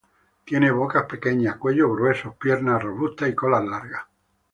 Tienen bocas pequeñas, cuellos gruesos, piernas robustas y colas largas.